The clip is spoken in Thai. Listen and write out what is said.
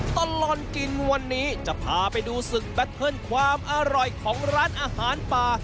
ตลอดกินวันนี้จะพาไปดูศึกแบตเทิร์นความอร่อยของร้านอาหารป่า